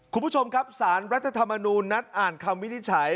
คุณผู้ชมครับสารรัฐธรรมนูญนัดอ่านคำวินิจฉัย